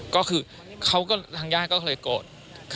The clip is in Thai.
ก็คือเขาก็ทางญาติก็เคยโกรธ